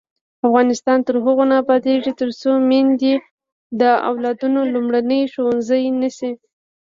افغانستان تر هغو نه ابادیږي، ترڅو میندې د اولادونو لومړنی ښوونځی نشي.